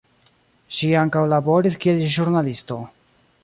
Ŝi ankaŭ laboris kiel ĵurnalisto.